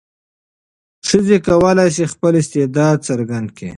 ښځې کولای شي خپل استعداد څرګند کړي.